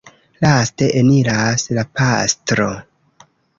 Laste eniras la pastro.